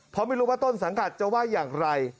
เพราะไม่รู้ว่าต้นสังกัดจะว่าอย่างไร